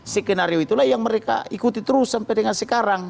skenario itulah yang mereka ikuti terus sampai dengan sekarang